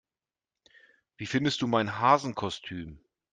Wie findest du mein Hasenkostüm?